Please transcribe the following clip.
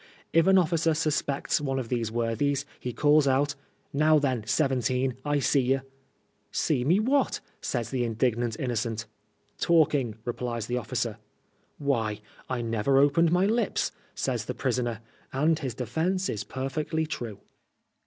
If an officer suspects one of these worthies, he calls out, Now then, seventeen, I see ye I" " See me what ?" says the indig nant innocent. " Talking," replies the officer. " Why, I never opened my lips," says the prisoner, and his de fence is perfectly true.